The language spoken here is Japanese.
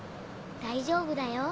大丈夫だよ